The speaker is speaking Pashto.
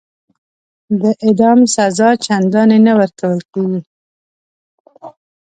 د اعدام سزا چنداني نه ورکول کیږي.